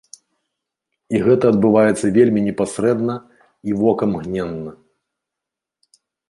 І гэта адбываецца вельмі непасрэдна і вокамгненна.